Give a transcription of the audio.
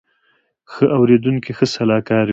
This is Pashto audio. ښه اورېدونکی ښه سلاکار وي